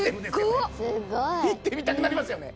すごい！行ってみたくなりますよね。